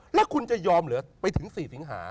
แล้วคุณจะยอมเหรอไปถึง๔สิงหา